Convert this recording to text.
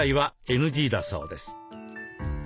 ＮＧだそうです。